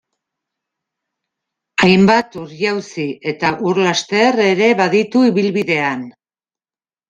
Hainbat ur jauzi eta ur laster ere baditu ibilbidean.